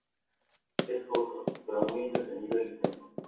Es corto, pero muy entretenido e intenso.